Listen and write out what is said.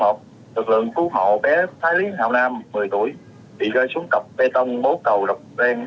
lực lượng cứu hộ bé thái lý hào nam một mươi tuổi bị gây xuống cọc bê tông bố cầu đập rèn